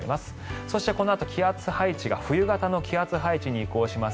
そしてこのあと気圧配置が冬型の気圧配置に移行します。